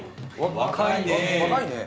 若いね！